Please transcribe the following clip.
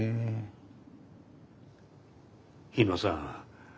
日野さん